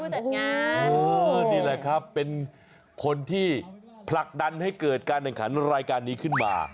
จัดงานเออนี่แหละครับเป็นคนที่ผลักดันให้เกิดการแข่งขันรายการนี้ขึ้นมา